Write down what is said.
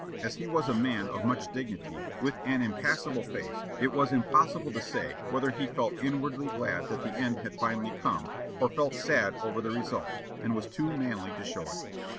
As he was a man of much dignity, with an impassible face, it was impossible to say whether he felt inwardly glad that the end had finally come, or felt sad over the result, and was too manly to show it.